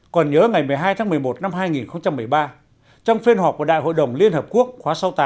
còn nhớ ngày một mươi hai tháng một mươi một năm hai nghìn một mươi ba trong phiên họp của đại hội đồng liên hợp quốc khóa sáu mươi tám